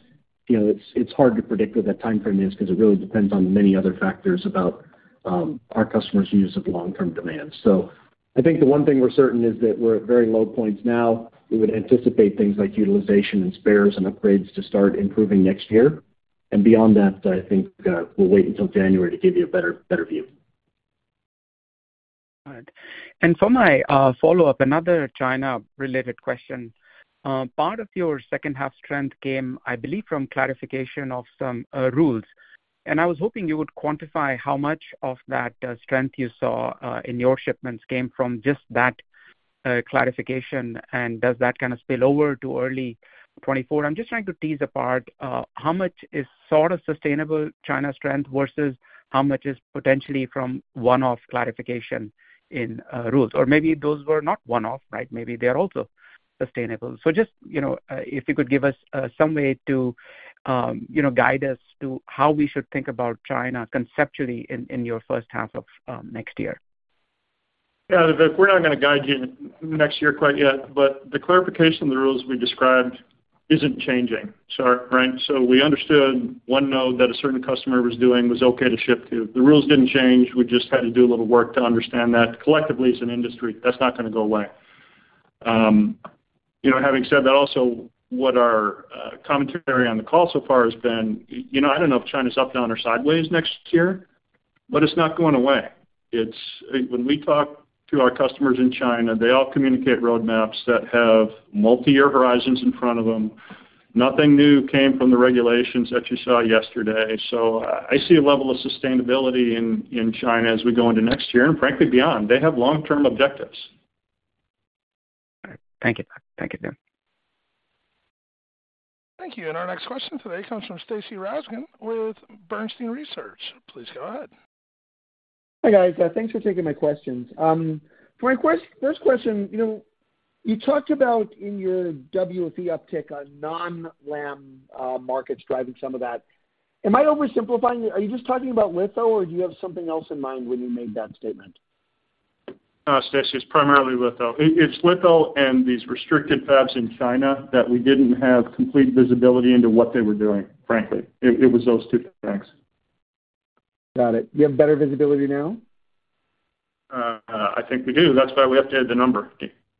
you know, it's hard to predict what that timeframe is because it really depends on many other factors about our customers' use of long-term demand. So I think the one thing we're certain is that we're at very low points now. We would anticipate things like utilization and spares and upgrades to start improving next year. And beyond that, I think, we'll wait until January to give you a better, better view. All right. And for my follow-up, another China-related question. Part of your second half strength came, I believe, from clarification of some rules, and I was hoping you would quantify how much of that strength you saw in your shipments came from just that clarification, and does that kind of spill over to early 2024? I'm just trying to tease apart how much is sort of sustainable China strength versus how much is potentially from one-off clarification in rules, or maybe those were not one-off, right? Maybe they are also sustainable. So just, you know, if you could give us some way to, you know, guide us to how we should think about China conceptually in your first half of next year. Yeah, Vivek, we're not going to guide you next year quite yet, but the clarification of the rules we described isn't changing. So, right? So we understood one node that a certain customer was doing was okay to ship to. The rules didn't change. We just had to do a little work to understand that collectively as an industry, that's not going to go away. You know, having said that, also, what our commentary on the call so far has been, you know, I don't know if China's up, down, or sideways next year, but it's not going away. It's. When we talk to our customers in China, they all communicate roadmaps that have multi-year horizons in front of them. Nothing new came from the regulations that you saw yesterday, so I see a level of sustainability in China as we go into next year, and frankly, beyond. They have long-term objectives. All right. Thank you. Thank you, Tim. Thank you. And our next question today comes from Stacy Rasgon with Bernstein Research. Please go ahead. Hi, guys. Thanks for taking my questions. For my first question, you know, you talked about in your WFE uptick on non-Lam markets driving some of that. Am I oversimplifying it? Are you just talking about litho, or do you have something else in mind when you made that statement? Stacy, it's primarily litho. It's litho and these restricted fabs in China that we didn't have complete visibility into what they were doing, frankly. It was those two things. Got it. Do you have better visibility now? I think we do. That's why we updated the number.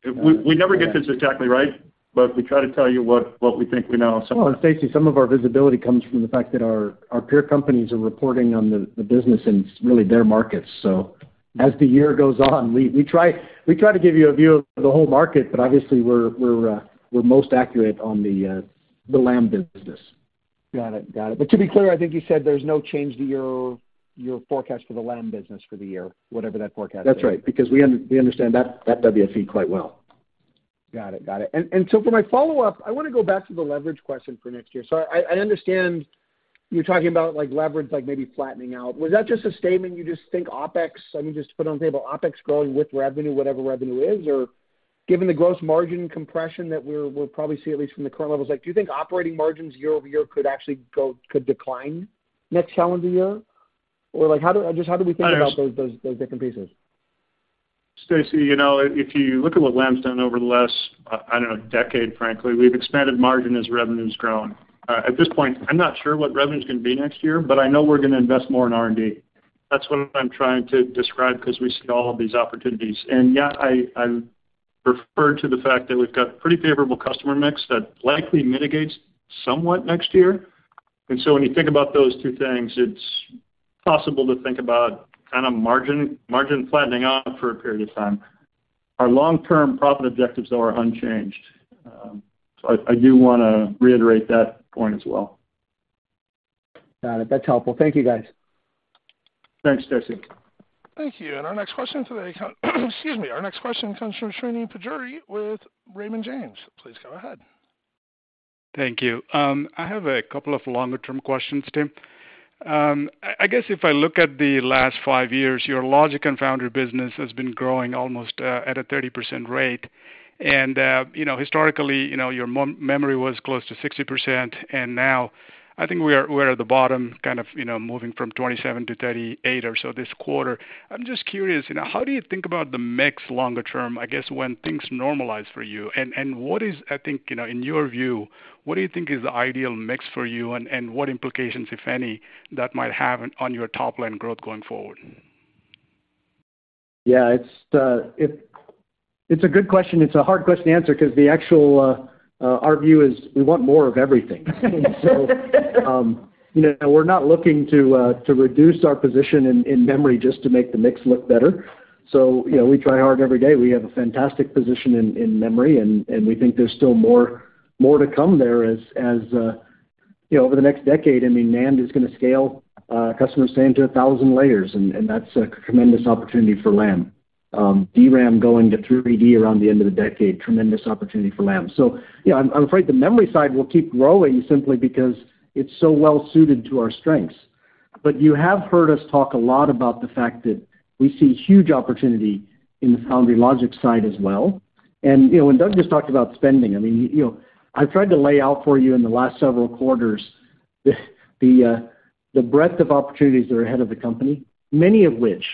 We never get this exactly right, but we try to tell you what we think we know. Well, and Stacy, some of our visibility comes from the fact that our peer companies are reporting on the business, and it's really their markets. So as the year goes on, we try to give you a view of the whole market, but obviously, we're most accurate on the Lam business. Got it. Got it. But to be clear, I think you said there's no change to your, your forecast for the Lam business for the year, whatever that forecast is. That's right, because we understand that WFE quite well. Got it. Got it. And, and so for my follow-up, I want to go back to the leverage question for next year. So I, I understand you're talking about, like, leverage, like, maybe flattening out. Was that just a statement, you just think OpEx, I mean, just to put on the table, OpEx growing with revenue, whatever revenue is? Or given the gross margin compression that we're-- we'll probably see, at least from the current levels, like, do you think operating margins year over year could actually go-- could decline next calendar year? Or, like, how do... Just how do we think about those, those, those different pieces? Stacy, you know, if you look at what Lam's done over the last, I don't know, decade, frankly, we've expanded margin as revenue's grown. At this point, I'm not sure what revenue is going to be next year, but I know we're going to invest more in R&D. That's what I'm trying to describe because we see all of these opportunities. And yeah, I referred to the fact that we've got pretty favorable customer mix that likely mitigates somewhat next year. And so when you think about those two things, it's possible to think about kind of margin, margin flattening out for a period of time. Our long-term profit objectives, though, are unchanged. So I do want to reiterate that point as well. Got it. That's helpful. Thank you, guys. Thanks, Stacy. Thank you. Our next question today, excuse me, our next question comes from Srini Pajjuri with Raymond James. Please go ahead. Thank you. I have a couple of longer-term questions, Tim. I guess if I look at the last 5 years, your logic and foundry business has been growing almost at a 30% rate. And you know, historically, you know, your memory was close to 60%, and now I think we're at the bottom, kind of, you know, moving from 27%-38% or so this quarter. I'm just curious, you know, how do you think about the mix longer term, I guess, when things normalize for you? And what is, I think, you know, in your view, what do you think is the ideal mix for you, and what implications, if any, that might have on your top-line growth going forward? Yeah, it's a good question. It's a hard question to answer because actually our view is we want more of everything. So, you know, we're not looking to reduce our position in memory just to make the mix look better. So, you know, we try hard every day. We have a fantastic position in memory, and we think there's still more to come there as you know, over the next decade, I mean, NAND is gonna scale, customers saying to 1,000 layers, and that's a tremendous opportunity for Lam. DRAM going to 3D around the end of the decade, tremendous opportunity for Lam. So, yeah, I'm afraid the memory side will keep growing simply because it's so well suited to our strengths. But you have heard us talk a lot about the fact that we see huge opportunity in the Foundry logic side as well. And, you know, when Doug just talked about spending, I mean, you know, I've tried to lay out for you in the last several quarters, the breadth of opportunities that are ahead of the company, many of which,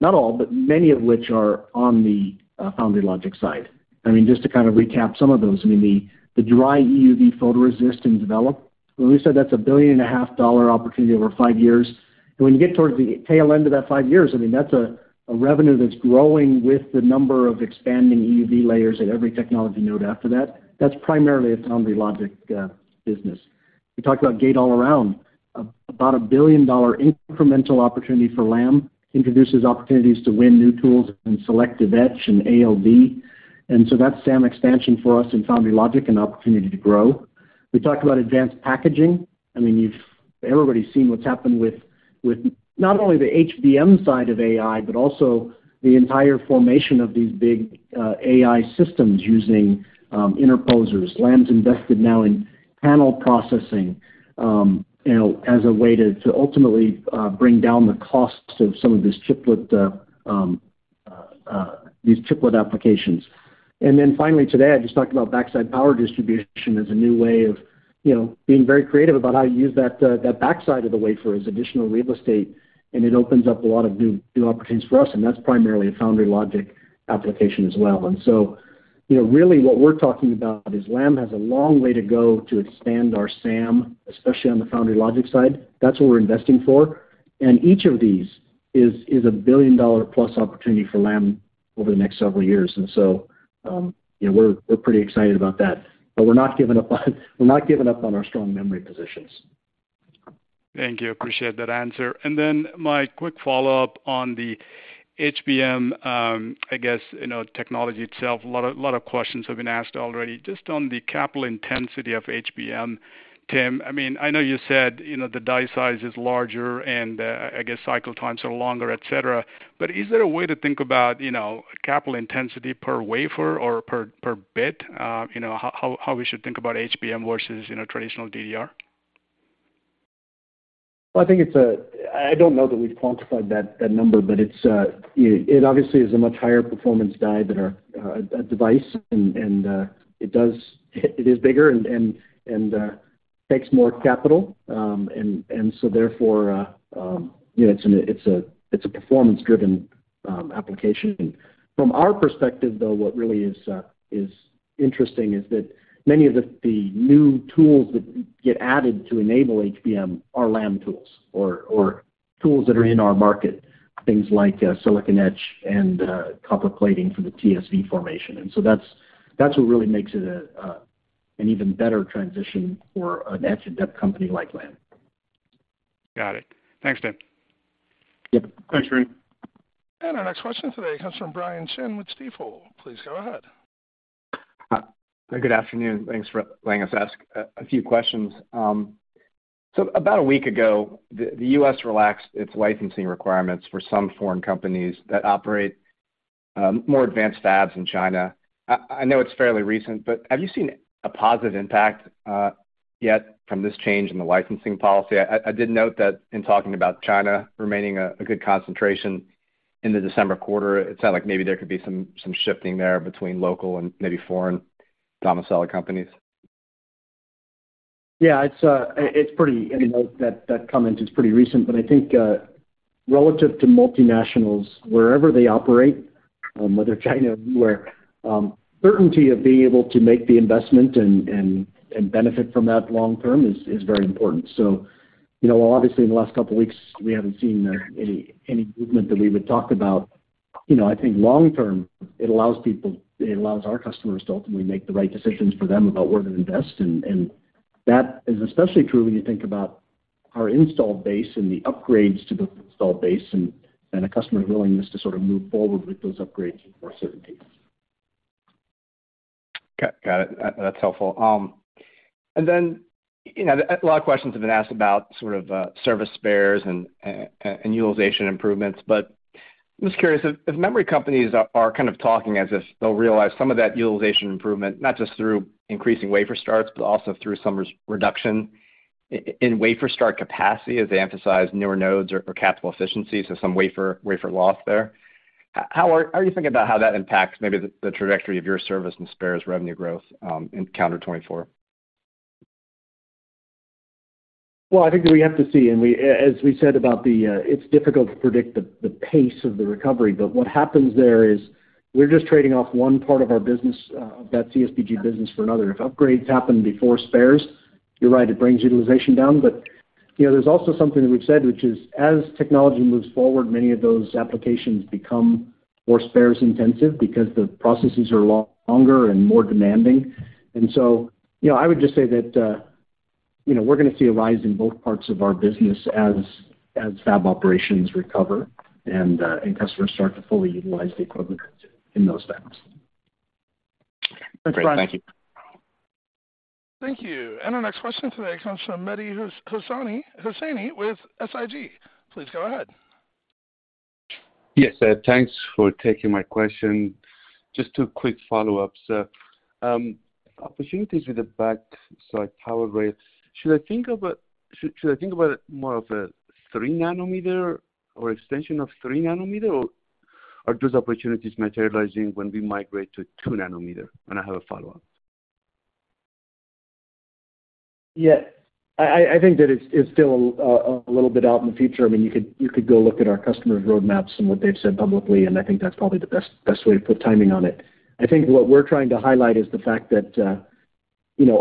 not all, but many of which are on the Foundry logic side. I mean, just to kind of recap some of those, I mean, the dry EUV photoresist and develop, when we said that's a $1.5 billion opportunity over 5 years, and when you get towards the tail end of that 5 years, I mean, that's a revenue that's growing with the number of expanding EUV layers at every technology node after that. That's primarily a Foundry logic business. We talked about gate-all-around, about a billion-dollar incremental opportunity for Lam, introduces opportunities to win new tools in selective etch and ALD. So that's SAM expansion for us in foundry logic, an opportunity to grow. We talked about advanced packaging. I mean, you've everybody's seen what's happened with not only the HBM side of AI, but also the entire formation of these big AI systems using interposers. Lam's invested now in panel processing, you know, as a way to ultimately bring down the costs of some of these chiplet applications. And then finally, today, I just talked about backside power distribution as a new way of, you know, being very creative about how you use that, that backside of the wafer as additional real estate, and it opens up a lot of new, new opportunities for us, and that's primarily a foundry logic application as well. And so, you know, really what we're talking about is Lam has a long way to go to expand our SAM, especially on the foundry logic side. That's what we're investing for. And each of these is, is a billion-dollar plus opportunity for Lam over the next several years. And so, yeah, we're, we're pretty excited about that, but we're not giving up on we're not giving up on our strong memory positions. Thank you. I appreciate that answer. And then my quick follow-up on the HBM, I guess, you know, technology itself, a lot of, lot of questions have been asked already. Just on the capital intensity of HBM, Tim, I mean, I know you said, you know, the die size is larger and, I guess cycle times are longer, et cetera, but is there a way to think about, you know, capital intensity per wafer or per bit? You know, how we should think about HBM versus, you know, traditional D Well, I think it's a... I don't know that we've quantified that number, but it obviously is a much higher performance die than our device, and it is bigger and takes more capital. And so therefore, you know, it's a performance-driven application. From our perspective, though, what really is interesting is that many of the new tools that get added to enable HBM are Lam tools or tools that are in our market, things like silicon etch and copper plating for the TSV formation. And so that's what really makes it an even better transition for an etch and dep company like Lam. Got it. Thanks, Tim. Yep. Thanks, Sri. Our next question today comes from Brian Chin with Stifel. Please go ahead. Hi. Good afternoon. Thanks for letting us ask a few questions. So about a week ago, the U.S. relaxed its licensing requirements for some foreign companies that operate more advanced fabs in China. I know it's fairly recent, but have you seen a positive impact yet from this change in the licensing policy? I did note that in talking about China remaining a good concentration in the December quarter, it sounded like maybe there could be some shifting there between local and maybe foreign domiciled companies. Yeah, it's, it's pretty... You know, that, that comment is pretty recent, but I think, relative to multinationals, wherever they operate, whether China or anywhere, certainty of being able to make the investment and benefit from that long term is very important. So, you know, obviously, in the last couple of weeks, we haven't seen any movement that we would talk about. You know, I think long term, it allows our customers to ultimately make the right decisions for them about where to invest, and that is especially true when you think about our installed base and the upgrades to the installed base, and a customer's willingness to sort of move forward with those upgrades with more certainty. Okay, got it. That, that's helpful. And then, you know, a lot of questions have been asked about sort of, service spares and, and utilization improvements, but I'm just curious if memory companies are kind of talking as if they'll realize some of that utilization improvement, not just through increasing wafer starts, but also through some reduction in wafer start capacity as they emphasize newer nodes or, or capital efficiencies or some wafer, wafer loss there. How are you thinking about how that impacts maybe the, the trajectory of your service and spares revenue growth, in calendar 2024? Well, I think we have to see, and we... as we said about the, it's difficult to predict the, the pace of the recovery, but what happens there is we're just trading off one part of our business, of that CSBG business for another. If upgrades happen before spares, you're right, it brings utilization down. But, you know, there's also something that we've said, which is, as technology moves forward, many of those applications become more spares intensive because the processes are a lot longer and more demanding. And so, you know, I would just say that, you know, we're gonna see a rise in both parts of our business as, as fab operations recover and, and customers start to fully utilize the equipment in those fabs.... Great. Thank you. Thank you. Our next question today comes from Mehdi Hosseini with SIG. Please go ahead. Yes, thanks for taking my question. Just two quick follow-ups. Opportunities with the backside power delivery, should I think about more of a 3 nanometer or extension of 3 nanometer, or are those opportunities materializing when we migrate to 2 nanometer? I have a follow-up. Yeah, I think that it's still a little bit out in the future. I mean, you could go look at our customers' roadmaps and what they've said publicly, and I think that's probably the best way to put timing on it. I think what we're trying to highlight is the fact that, you know,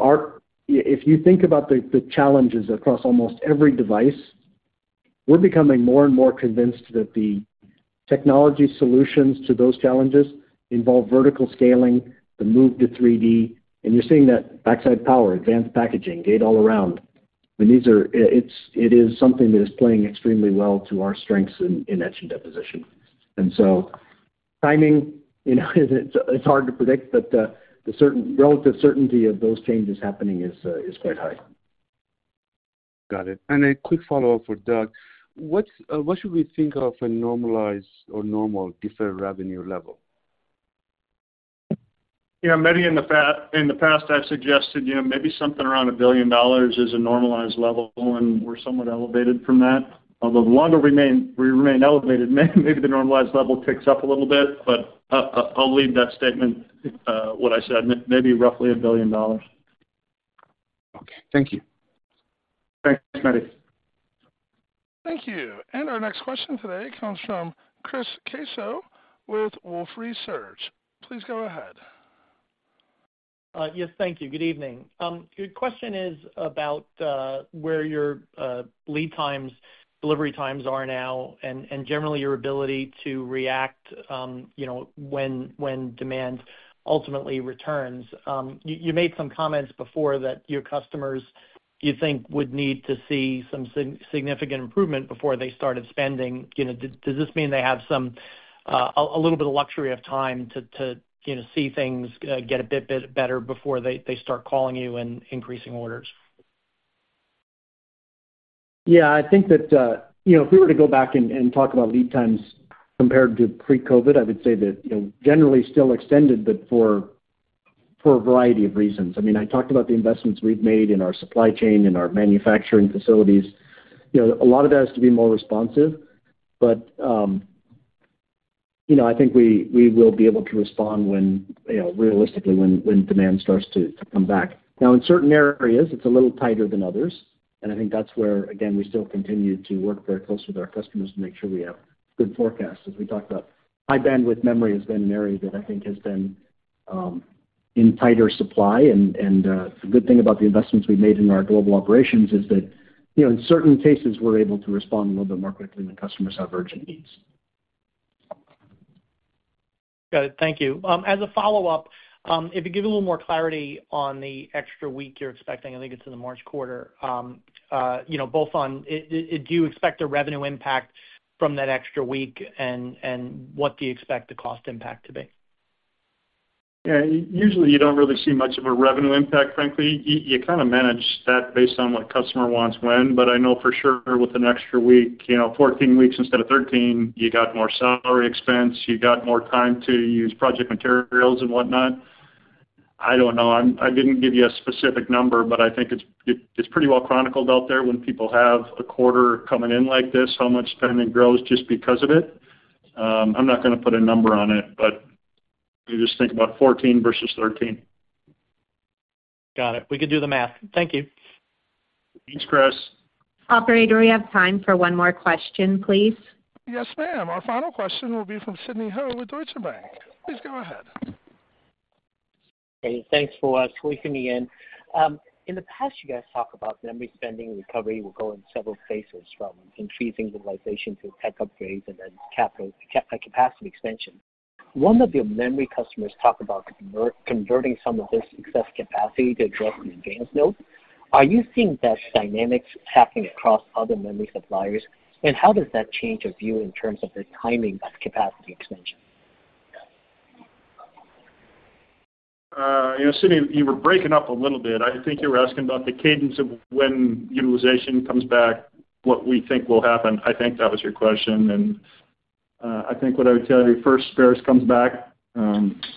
if you think about the challenges across almost every device, we're becoming more and more convinced that the technology solutions to those challenges involve vertical scaling, the move to 3D, and you're seeing that backside power, advanced packaging, gate-all-around. I mean, these are, it is something that is playing extremely well to our strengths in etch and deposition. So timing, you know, it's hard to predict, but the relative certainty of those changes happening is quite high. Got it. And a quick follow-up for Doug. What should we think of a normalized or normal deferred revenue level? Yeah, Mehdi, in the past, I've suggested, you know, maybe something around $1 billion is a normalized level, and we're somewhat elevated from that. Although we want to remain, we remain elevated, maybe the normalized level ticks up a little bit, but I'll leave that statement, what I said, maybe roughly $1 billion. Okay. Thank you. Thanks, Mehdi. Thank you. Our next question today comes from Chris Caso with Wolfe Research. Please go ahead. Yes, thank you. Good evening. The question is about where your lead times, delivery times are now, and generally, your ability to react, you know, when demand ultimately returns. You made some comments before that your customers, you think, would need to see some significant improvement before they started spending. You know, does this mean they have some a little bit of luxury of time to, you know, see things get a bit better before they start calling you and increasing orders? Yeah, I think that, you know, if we were to go back and talk about lead times compared to pre-COVID, I would say that, you know, generally still extended, but for a variety of reasons. I mean, I talked about the investments we've made in our supply chain and our manufacturing facilities. You know, a lot of that is to be more responsive, but, you know, I think we will be able to respond when, you know, realistically, when demand starts to come back. Now, in certain areas, it's a little tighter than others, and I think that's where, again, we still continue to work very close with our customers to make sure we have good forecasts. As we talked about, high bandwidth memory has been an area that I think has been in tighter supply, and the good thing about the investments we've made in our global operations is that, you know, in certain cases, we're able to respond a little bit more quickly when customers have urgent needs. Got it. Thank you. As a follow-up, if you give a little more clarity on the extra week you're expecting, I think it's in the March quarter. You know, both on... do you expect a revenue impact from that extra week, and, and what do you expect the cost impact to be? Yeah, usually you don't really see much of a revenue impact, frankly. You kind of manage that based on what customer wants when, but I know for sure with an extra week, you know, 14 weeks instead of 13, you got more salary expense, you got more time to use project materials and whatnot. I don't know. I didn't give you a specific number, but I think it's pretty well chronicled out there when people have a quarter coming in like this, how much spending grows just because of it. I'm not gonna put a number on it, but you just think about 14 versus 13. Got it. We can do the math. Thank you. Thanks, Chris. Operator, we have time for one more question, please. Yes, ma'am. Our final question will be from Sidney Ho with Deutsche Bank. Please go ahead. Hey, thanks for squeezing me in. In the past, you guys talk about memory spending recovery will go in several phases, from increasing utilization to tech upgrades and then capital capacity expansion. One of your memory customers talk about converting some of this excess capacity to address the advanced node. Are you seeing those dynamics happening across other memory suppliers? And how does that change your view in terms of the timing of capacity expansion? You know, Sidney, you were breaking up a little bit. I think you were asking about the cadence of when utilization comes back, what we think will happen. I think that was your question, and I think what I would tell you, first, spares comes back.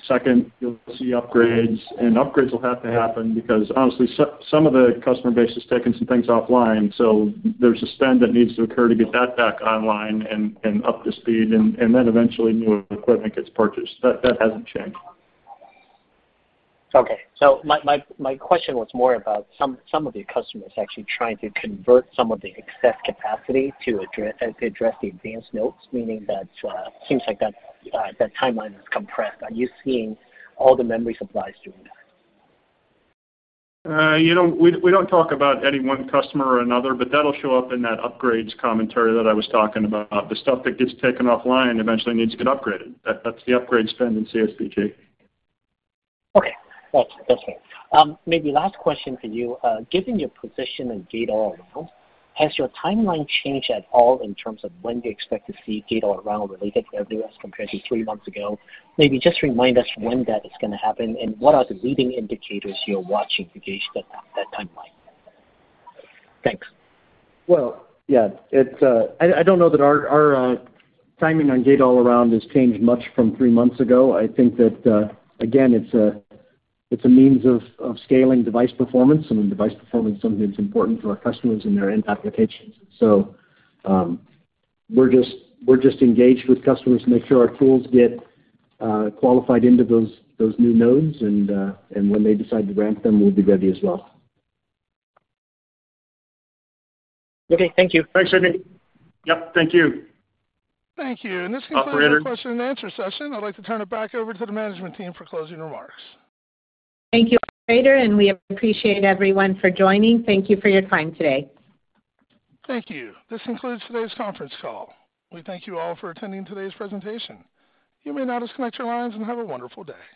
Second, you'll see upgrades, and upgrades will have to happen because honestly, some of the customer base has taken some things offline, so there's a spend that needs to occur to get that back online and up to speed, and then eventually, new equipment gets purchased. That hasn't changed. Okay. So my question was more about some of your customers actually trying to convert some of the excess capacity to address the advanced nodes, meaning that timeline is compressed. Are you seeing all the memory suppliers doing that? You know, we don't talk about any one customer or another, but that'll show up in that upgrades commentary that I was talking about. The stuff that gets taken offline eventually needs to get upgraded. That's the upgrade spend in CSBG. Okay. That's fair. Maybe last question for you. Given your position in gate-all-around, has your timeline changed at all in terms of when you expect to see gate-all-around related to everyone as compared to three months ago? Maybe just remind us when that is gonna happen, and what are the leading indicators you're watching to gauge that timeline? Thanks. Well, yeah, it's I don't know that our timing on gate-all-around has changed much from three months ago. I think that, again, it's a means of scaling device performance, and device performance is something that's important to our customers and their end applications. So, we're just engaged with customers to make sure our tools get qualified into those new nodes, and when they decide to ramp them, we'll be ready as well. Okay. Thank you. Thanks, Sidney. Yep, thank you. Thank you. Operator. This concludes our question and answer session. I'd like to turn it back over to the management team for closing remarks. Thank you, operator, and we appreciate everyone for joining. Thank you for your time today. Thank you. This concludes today's conference call. We thank you all for attending today's presentation. You may now disconnect your lines, and have a wonderful day.